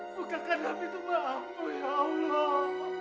bukakanlah pintu maafmu ya allah